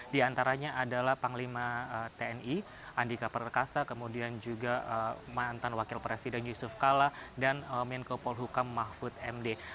di antaranya adalah panglima tni andika perekasa kemudian juga mantan wakil presiden yusuf kala dan menko polhukam mahfud md